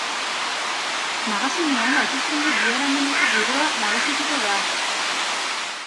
Magazinean, hauteskunde biharamuneko giroa nagusituko da.